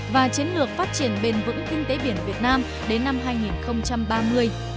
và chiến lược phát triển bền vững kinh tế biển việt nam đến năm hai nghìn ba mươi